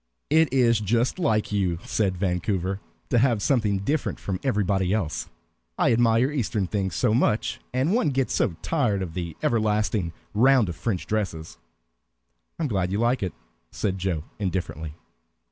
"It is just like you," said Vancouver, "to have something different from everybody else. I admire Eastern things so much, and one gets so tired of the everlasting round of French dresses." "I am glad you like it," said Joe, indifferently.